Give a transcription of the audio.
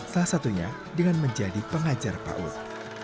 salah satunya dengan menjadi pengajar paut